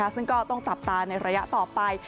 ซึ่งก็ต้องจับตาในระยะต่อไป